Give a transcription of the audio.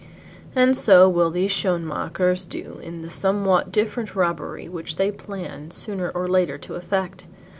And so will these Schoenmakers do in the somewhat different robbery which they plan sooner or later to effect.